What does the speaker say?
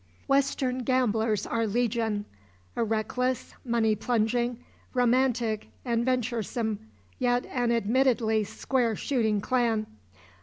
Western gamblers are legion a reckless, money plunging, romantic and venturesome yet an admittedly square shooting clan.